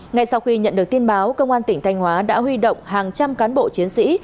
ngay sau khi nhận được tin báo công an tỉnh thanh hóa đã huy động hàng trăm cán bộ chiến sĩ